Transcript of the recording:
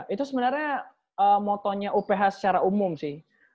itu sebenarnya motonya uph secara umum sih